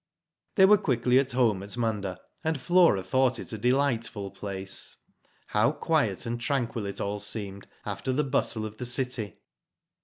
They were quickly at home at Munda, and Flora thought it a delightful place. How quiet and tranquil it all seemed after the Digitized by Google TIVO MEN. 75 bustle of the city.